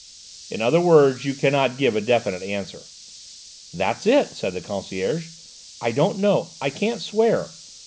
"In other words, you cannot give a definite answer." "That's it," said the concierge. "I don't know; I can't swear.